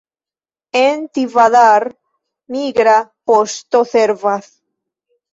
En Tivadar migra poŝto servas.